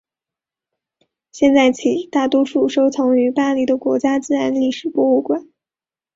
现在起大多数收藏存于巴黎的国家自然历史博物馆。